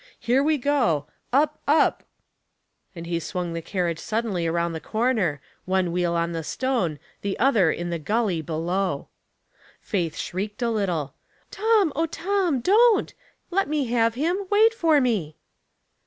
Here we go ; up, up !" and he swung the carriage suddenly around the corner, one wheel on the stone, the other in the gully below. Faith shrieked a little. " Tom, O Tom, don't. Let me have him. Wait for me."